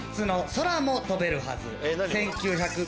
『空も飛べるはず』。